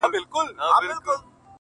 اوس به څوك ځي په اتڼ تر خيبرونو!.